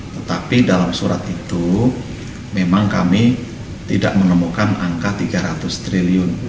tetapi dalam surat itu memang kami tidak menemukan angka tiga ratus triliun